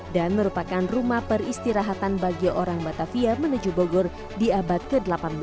dan merupakan rumah peristirahatan bagi orang batavia menuju bogor di abad ke delapan belas